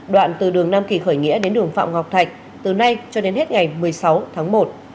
đoạn từ đường nam kỳ khởi nghĩa đến đường phạm ngọc thạch từ nay cho đến hết ngày một mươi sáu tháng một